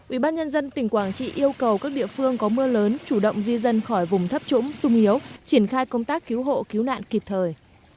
ubnd tỉnh quảng trị yêu cầu các địa phương có mưa lớn chủ động di dân khỏi vùng thấp trũng sung yếu triển khai công tác cứu hộ cứu nạn kịp thời